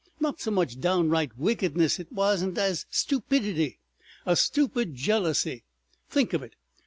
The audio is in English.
Not so much downright wickedness it wasn't as stupidity. A stupid jealousy! Think of it!